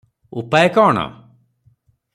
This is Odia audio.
ଉପାୟ କଣ?